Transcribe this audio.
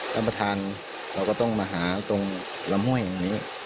ท่านประธานเราก็ต้องมาหาตรงลำห้วยอย่างนี้